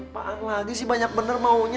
apaan lagi sih banyak bener maunya